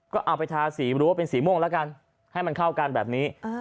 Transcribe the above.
ก็เอาไปทาสีรั้วเป็นสีม่วงแล้วกันให้มันเข้ากันแบบนี้